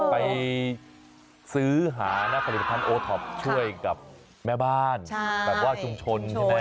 ไปซื้อหานะผลิตภัณฑ์โอท็อปช่วยกับแม่บ้านแบบว่าชุมชนใช่ไหม